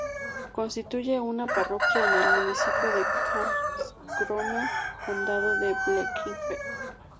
Constituye una parroquia en el municipio de Karlskrona, Condado de Blekinge.